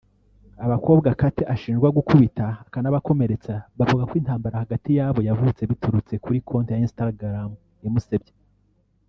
Abakobwa Kate ashinjwa gukubita akanabakomeretsa bavuga ko intambara hagati yabo yavutse biturutse kuri konti ya Instagram imusebya